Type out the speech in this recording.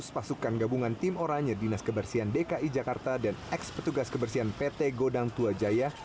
dua ratus pasukan gabungan tim oranye dinas kebersihan dki jakarta dan ex petugas kebersihan pt godang tua jaya